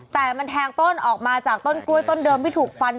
แต่มันแทงต้นออกมาจากต้นกล้วยต้นเดิมที่ถูกฟัน